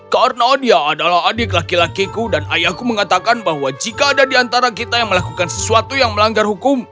karena dia adalah adik laki lakeku dan ayahku mengatakan bahwa jika ada di antara kita yang melakukan sesuatu yang melanggar hukum